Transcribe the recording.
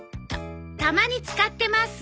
たたまに使ってます！